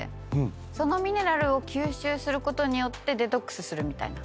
そのミネラルを吸収することによってデトックスするみたいな。